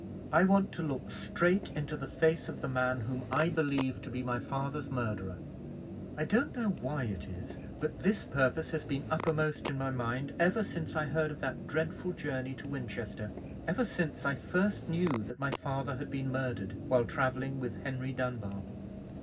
I want to look straight into the face of the man whom I believe to be my father's murderer. I don't know why it is, but this purpose has been uppermost in my mind ever since I heard of that dreadful journey to Winchester; ever since I first knew that my father had been murdered while travelling with Henry Dunbar.